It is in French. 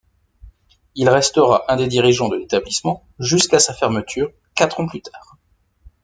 Il restera un des dirigeants de l'établissement jusqu'à sa fermeture quatre ans plus tard.